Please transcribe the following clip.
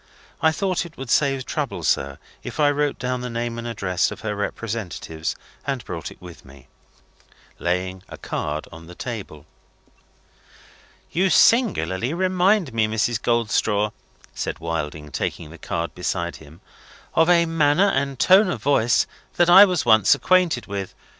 I thought it would save trouble, sir, if I wrote down the name and address of her representatives, and brought it with me." Laying a card on the table. "You singularly remind me, Mrs. Goldstraw," said Wilding, taking the card beside him, "of a manner and tone of voice that I was once acquainted with.